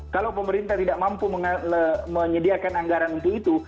kalau pemerintah tidak mampu menyediakan anggaran untuk itu